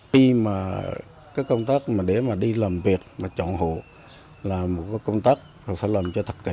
khi mà cái công tác mà để mà đi làm việc mà chọn hộ là một cái công tác phải làm cho thật kỹ